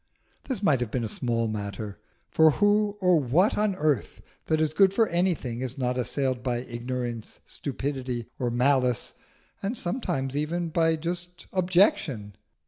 This might have been a small matter; for who or what on earth that is good for anything is not assailed by ignorance, stupidity, or malice and sometimes even by just objection?